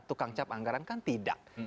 tukang cap anggaran kan tidak